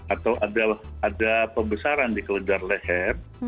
atau ada pembesaran di keledar leher